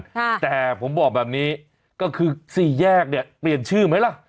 แต่ผมบอกแบบนี้ก็คือสี่แยกเนี่ยเปลี่ยนชื่อไหมล่ะ